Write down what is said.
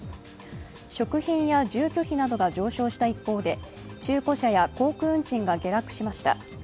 食品や住居費などが上昇した一方で中古車や航空運賃が下落しました。